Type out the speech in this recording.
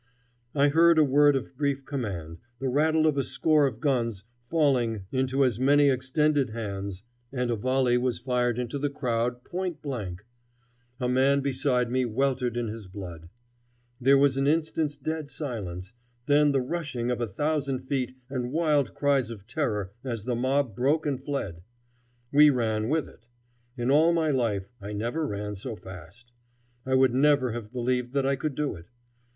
I heard a word of brief command, the rattle of a score of guns falling into as many extended hands, and a volley was fired into the crowd point blank, A man beside me weltered in his blood. There was an instant's dead silence, then the rushing of a thousand feet and wild cries of terror as the mob broke and fled. We ran with it. In all my life I never ran so fast. I would never have believed that I could do it.